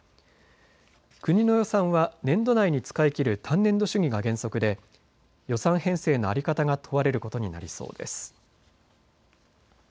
国の予算は年度内に使い切る単年度主義が原則で予算編成の在り方が問われることになりそうです。